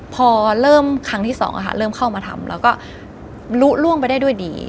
พอเริ่มครั้งที่๒เริ่มเข้ามาทำแล้วก็ลุล่วงไปได้ด้วยดี